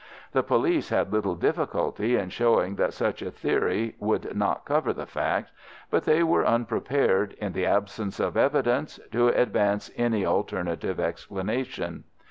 The police had little difficulty in showing that such a theory would not cover the facts, but they were unprepared in the absence of evidence to advance any alternative explanation.